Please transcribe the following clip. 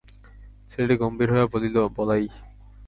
ছেলেটি গম্ভীর হইয়া বলিল, বলাই।